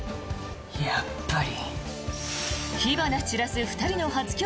やっぱり。